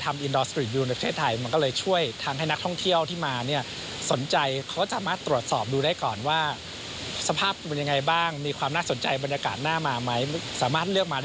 มีงานเก็บภาพมากกว่า๗๖ประเทศ